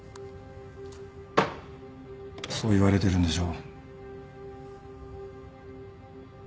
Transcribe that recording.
そう言われてるんでしょ？